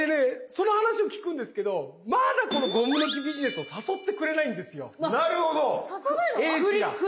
その話を聞くんですけどまだこのゴムの木ビジネスを誘ってくれないんですよ。